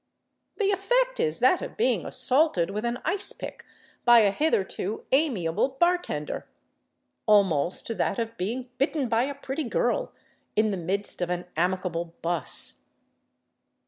The effect is that of being assaulted with an ice pick by a hitherto amiable bartender, almost that of being bitten by a pretty girl in the midst of an amicable buss.